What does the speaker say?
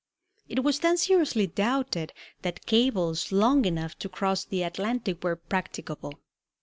It was then seriously doubted that cables long enough to cross the Atlantic were practicable.